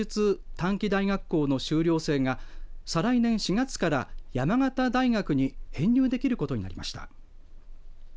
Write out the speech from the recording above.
短期大学校の修了生が再来年４月から山形大学に編入できることになりました。